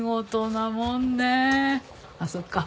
あっそっか。